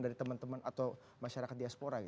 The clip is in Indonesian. dari teman teman atau masyarakat diaspora